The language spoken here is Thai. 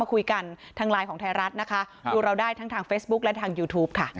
คุยกันทางไลน์ของไทยรัฐนะคะดูเราได้ทั้งทางเฟซบุ๊คและทางยูทูปค่ะ